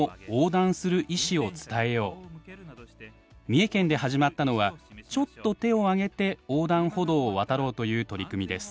三重県で始まったのはちょっと手を上げて横断歩道を渡ろうという取り組みです。